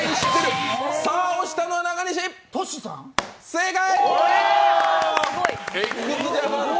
正解！